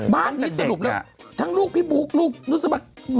บ้านที่สรุปเลยทั้งลูกพี่บุ๊คลูกนุสบัตร